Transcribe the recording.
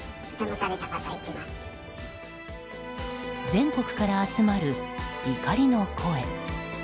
全国から集まる怒りの声。